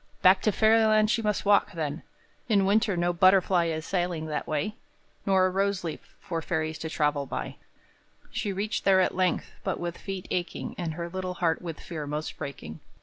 Back to Fairyland she must walk, then; In winter no butterfly Is sailing that way, nor a rose leaf, For fairies to travel by; She reached there at length, but with feet aching And her little heart with fear most breaking.